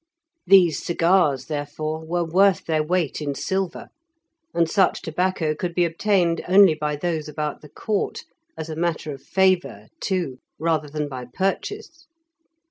These cigars, therefore, were worth their weight in silver, and such tobacco could be obtained only by those about the Court, as a matter of favour, too, rather than by purchase.